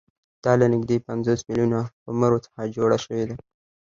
دا له نږدې پنځوس میلیونه خُمرو څخه جوړه شوې ده